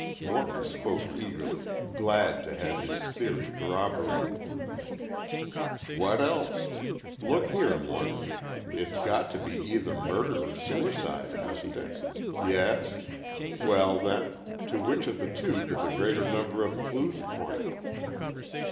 Morton spoke eagerly, glad to have his theory corroborated. "What else? Look here, Morton; it's got to be either murder or suicide, hasn't it? Yes? Well, then, to which of the two do the greater number of clues point?